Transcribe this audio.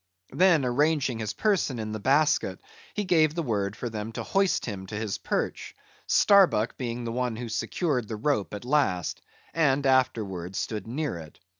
Then arranging his person in the basket, he gave the word for them to hoist him to his perch, Starbuck being the one who secured the rope at last; and afterwards stood near it.